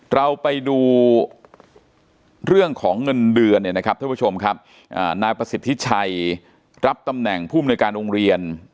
เราไปดูเรื่องของเงินเดือนเนี่ยนะครับท่านผู้ชมครับนายประสิทธิชัยรับตำแหน่งภูมิในการโรงเรียน